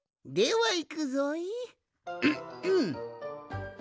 はい！